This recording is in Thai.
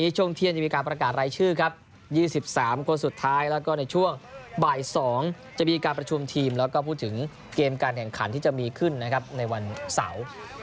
ชื่อครับ๒๓คนสุดท้ายแล้วก็ในช่วงบ่าย๒จะมีการประชุมทีมแล้วก็พูดถึงเกมการแข่งขันที่จะมีขึ้นนะครับในวันเสาร์